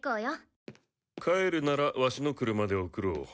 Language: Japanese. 帰るならワシの車で送ろう。